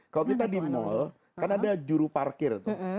kalau kita di mal kan ada juru parkir tuh